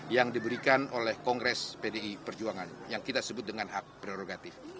yang diberikan oleh kongres pdi perjuangan yang kita sebut dengan hak prerogatif